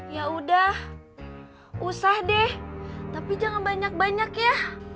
ya udah usah deh tapi jangan banyak banyak ya